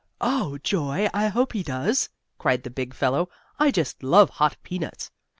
"Oh, joy! I hope he does!" cried the big fellow. "I just love hot peanuts!"